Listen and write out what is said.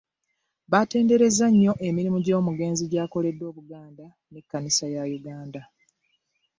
Batenderezza nnyo emirimu gy'omugenzi gy'akoledde Obuganda n'Ekkanisa ya Uganda.